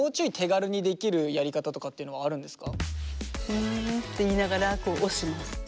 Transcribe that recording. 「うん」って言いながら押します。